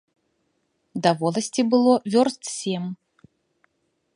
Да воласці было вёрст сем.